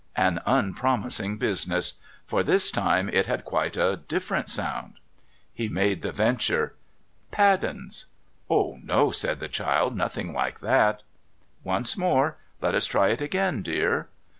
An unpromising business. For this time it had quite a difterent sound. He made the venture, ' Paddens ?'' Oh no !' said the child. ' Nothing like that.' ' Once more. Let us try it again, dear.'